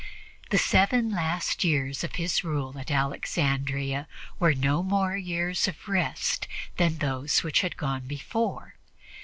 The seven last years of his rule at Alexandria were no more years of rest than those which had gone before.